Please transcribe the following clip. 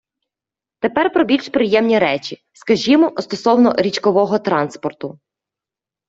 Тепер про більш приємні речі, скажімо, стосовно річкового транспорту.